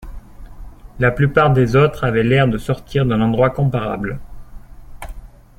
La plupart des autres avaient l’air de sortir d’un endroit comparable